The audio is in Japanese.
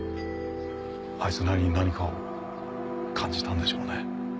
アイツなりに何かを感じたんでしょうね。